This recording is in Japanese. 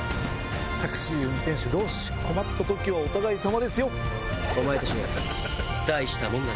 タクシー運転手同士困った時はお互いさまですよ。